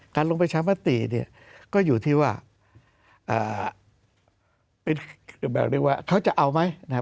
การลงไปชามตีเนี้ยก็อยู่ที่ว่าอ่าเป็นแบบเรียกว่าเขาจะเอาไหมนะฮะ